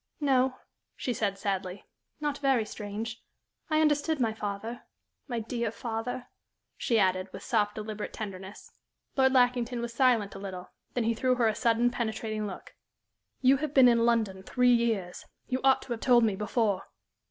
"No," she said, sadly, "not very strange. I understood my father my dear father," she added, with soft, deliberate tenderness. Lord Lackington was silent a little, then he threw her a sudden, penetrating look. "You have been in London three years. You ought to have told me before."